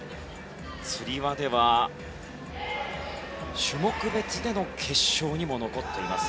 つり輪では種目別での決勝にも残っています。